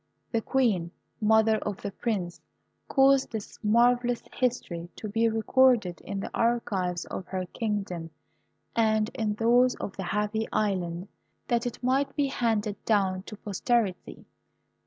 The Queen, mother of the Prince, caused this marvellous history to be recorded in the archives of her kingdom and in those of the Happy Island, that it might be handed down to posterity.